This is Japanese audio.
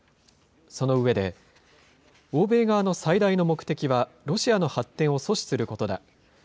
その上で、欧米側の最大の目的は、ロシアの発展を阻止することだ。